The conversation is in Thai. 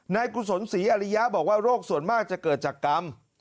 กุศลศรีอริยะบอกว่าโรคส่วนมากจะเกิดจากกรรม